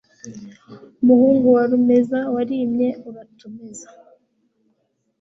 Muhungu wa Rumeza, Warimye uratumeza.